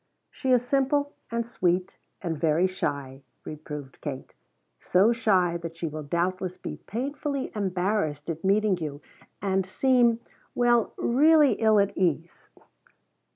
"She is simple and sweet and very shy," reproved Kate. "So shy that she will doubtless be painfully embarrassed at meeting you, and seem well, really ill at ease."